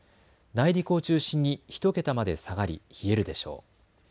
内陸を中心に１桁まで下がり冷えるでしょう。